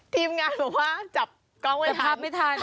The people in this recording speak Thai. ทีมงานบอกว่าจับกล้องไม่ทัน